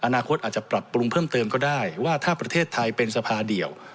อนาคตอาจจะปรับปรุงเพิ่มเติมก็ได้ว่าถ้าประเทศไทยเป็นสภาเดียว